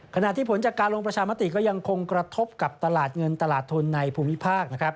ขณะที่ผลจากการลงประชามติก็ยังคงกระทบกับตลาดเงินตลาดทุนในภูมิภาคนะครับ